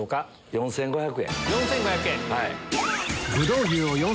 ４５００円。